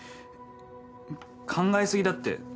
考え過ぎだって。